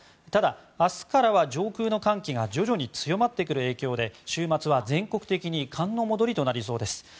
ただ、明日からは上空の寒気が徐々に強まってくる影響で週末は全国的に寒の戻りとなりそうです。